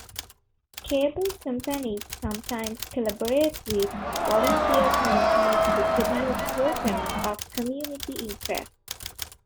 Cable companies sometimes collaborate with volunteer committees to produce programming of community interest.